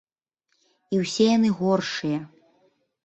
І ўсе яны горшыя.